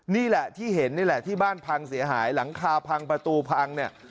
นี่แหละที่เห็นนี่แหละที่บ้านพังเสียหายหลังคาพังประตูพังเนี่ย